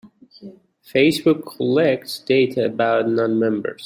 Facebook collects data about non-members.